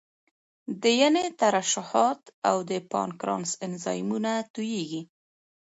د ینې ترشحات او د پانکراس انزایمونه تویېږي.